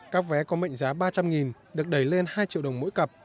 các vé có mệnh giá ba trăm linh được đẩy lên hai triệu đồng mỗi cặp